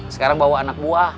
sekarang bawa anak buah